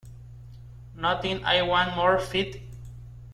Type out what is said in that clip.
Nothing I Want More ft.